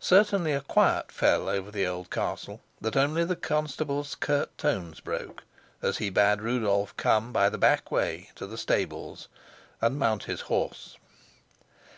Certainly a quiet fell over the old castle, that only the constable's curt tones broke, as he bade Rudolf come by the back way to the stables and mount his horse.